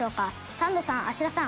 サンドさん芦田さん